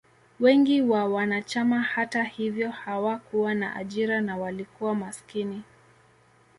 Wengi wa wanachama, hata hivyo, hawakuwa na ajira na walikuwa maskini.